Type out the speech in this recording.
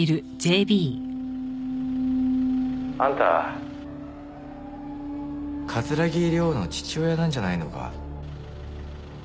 あんた桂木涼の父親なんじゃないのか？